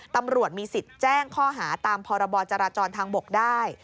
ตำรวจมีสิทธิ์แจ้งข้อหาตามพรบจราจรทางบกได้